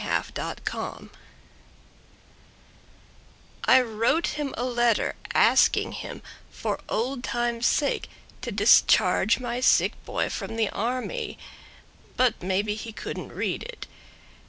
Hannah Armstrong I wrote him a letter asking him for old times' sake To discharge my sick boy from the army; But maybe he couldn't read it.